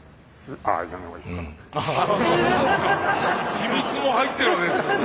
秘密も入ってるわけです。